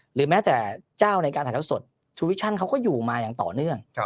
หรือแม้แต่เจ้าในการถ่ายเท้าสดชูวิชั่นเขาก็อยู่มาอย่างต่อเนื่อง